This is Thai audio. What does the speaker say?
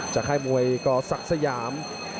จากไข้มวยก่อศักดิ์สยาม